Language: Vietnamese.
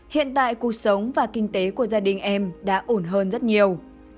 hiện tại cuộc sống và kinh tế của gia đình em đã ổn hơn rất nhiều